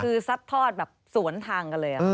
คือซัดทอดแบบสวนทางกันเลย